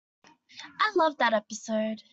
I loved that episode!